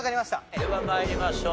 では参りましょう。